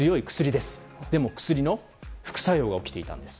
でも薬の副作用が起きていたんです。